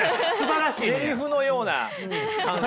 セリフのような感想。